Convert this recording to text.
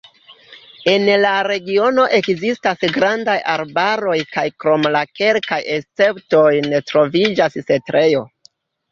En la regiono ekzistas grandaj arbaroj kaj krom la kelkaj esceptoj ne troviĝas setlejo.